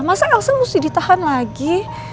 masa langsung mesti ditahan lagi